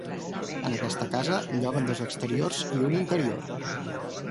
En aquesta casa lloguen dos exteriors i un interior.